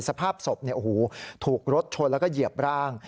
สภาพศพถูกรถชนแล้วก็เหยียบร่าง